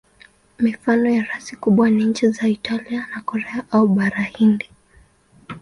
Mifano ya rasi kubwa ni nchi za Italia na Korea au Bara Hindi.